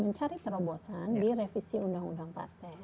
mencari terobosan di revisi undang undang paten